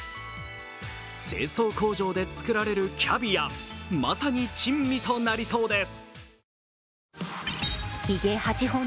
清掃工場で作られるキャビア、まさに珍味となりそうです。